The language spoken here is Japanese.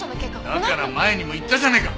だから前にも言ったじゃねえか。